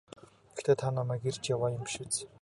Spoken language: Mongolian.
Гэхдээ та намайг эрж яваа юм биш биз?